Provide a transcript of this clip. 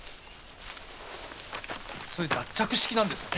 それ脱着式なんですね。